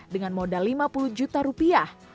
dengan modal lima puluh juta rupiah